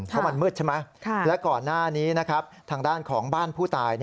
เพราะมันมืดใช่ไหมและก่อนหน้านี้นะครับทางด้านของบ้านผู้ตาย